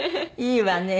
いいわね。